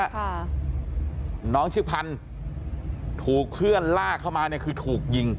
ค่ะน้องชื่อพันธุ์ถูกเพื่อนลากเข้ามาเนี่ยคือถูกยิง